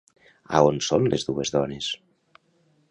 A on són les dues dones?